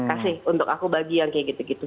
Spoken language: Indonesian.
kasih untuk aku bagi yang kayak gitu gitu